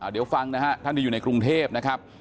เดี๋ยวฟังนะฮะท่านที่อยู่ในกรุงเทพนะครับ